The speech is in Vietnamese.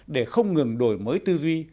để không ngừng đổi mới tư duy